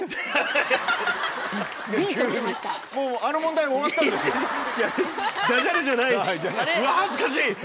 うわ恥ずかしい！